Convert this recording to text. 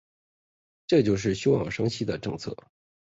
这就是休养生息的政策。